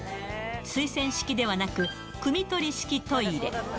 水洗式ではなく、くみ取り式トイレ。